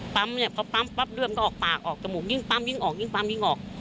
เนี่ยพอปั๊มปั๊บเลือดก็ออกปากออกจมูกยิ่งปั๊มยิ่งออกยิ่งปั๊มยิ่งออก